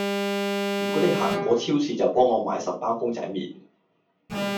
如果你行過超市就幫我買十包公仔麵